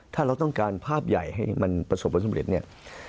ถ้าเราต้องการภาพใหญ่ให้มันประสบความสำเร็จเนี่ย